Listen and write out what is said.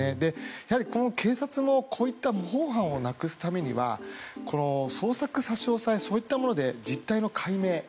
やはり警察のこういった無法犯をなくすためには捜索差し押さえそういったもので実態の解明。